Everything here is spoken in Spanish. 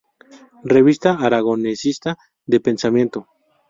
Revista aragonesista de pensamiento".